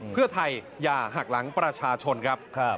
เพื่อไทยอย่าหักหลังประชาชนครับ